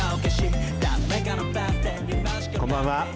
こんばんは。